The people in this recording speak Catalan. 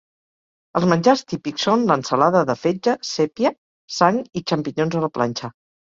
Els menjars típics són l'ensalada de fetge, sèpia, sang i xampinyons a la planxa.